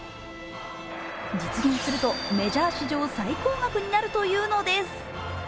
実現するとメジャー史上最高額になるというのです。